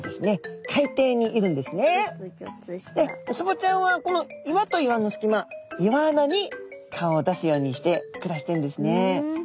でウツボちゃんはこの岩と岩の隙間岩穴に顔を出すようにして暮らしてるんですね。